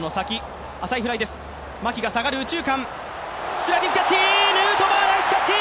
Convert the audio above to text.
スライディングキャッチ、ヌートーバー、ナイスキャッチ！